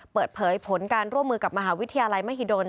เปิดเผยผลการร่วมมือกับมหาวิทยาลัยมหิดล